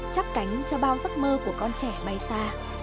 cho những mơ của con trẻ bay xa